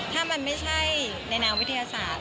ถ้ามันไม่ใช่ในนามวิทยาศาสตร์